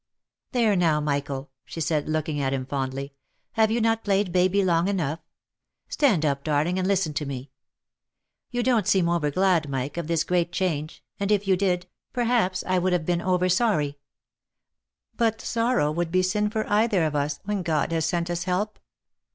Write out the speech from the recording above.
" There now, Michael," she said, looking at him fondly ;" have you not played baby long enough? Stand up, darling, and listen to me. You don't seem over glad, Mike, of this great change, and if you did, perhaps I might have been over sorry ; but sorrow would be sin for either of us, when God has sent us help.